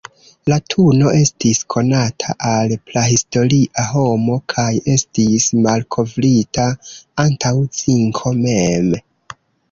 Latuno estis konata al prahistoria homo, kaj estis malkovrita antaŭ zinko mem.